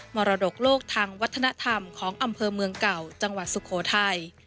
มรดกโลกทางวัฒนธรรมของอำเภอเมืองเก่าจังหวัดสุโขทัย